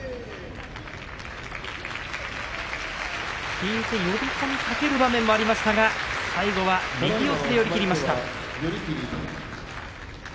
引いて呼び込みかける場面もありましたが最後は右四つで寄り切りました。